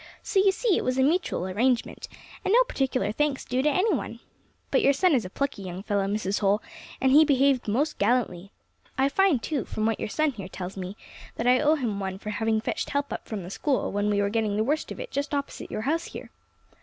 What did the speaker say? So you see it was a mutual arrangement, and no particular thanks due to any one. But your son is a plucky young fellow, Mrs. Holl, and he behaved most gallantly. I find too, from what your son here tells me, that I owe him one for having fetched help up from the School when we were getting the worst of it just opposite your house here.